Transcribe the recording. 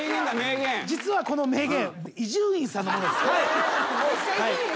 実はこの名言。